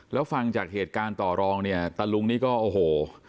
แล้วฟังจากเหตุการณ์ต่อรองเนี่ยตะลุงนี่ก็โอ้โห